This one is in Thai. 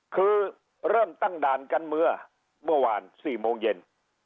คือเริ่มตั้งด่านกันเมื่อเมื่อวาน๔โมงเย็น